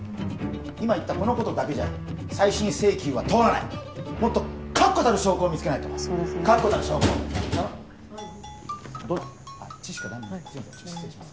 今言ったこのことだけじゃ再審請求は通らないもっと確固たる証拠を見つけないと確固たる証拠あっ失礼します